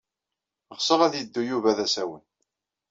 Ɣseɣ ad yeddu Yuba d asawen.